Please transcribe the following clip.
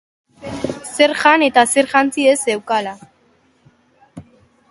Zer jan eta zer jantzi ez zeukala.